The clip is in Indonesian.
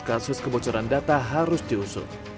kasus kebocoran data harus diusut